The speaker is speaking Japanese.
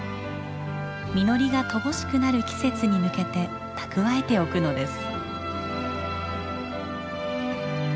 実りが乏しくなる季節に向けて蓄えておくのです。